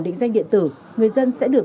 định danh điện tử người dân sẽ được